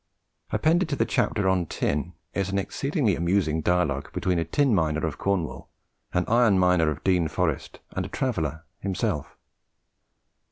Appended to the chapter on Tin is an exceedingly amusing dialogue between a tin miner of Cornwall, an iron miner of Dean Forest, and a traveller (himself).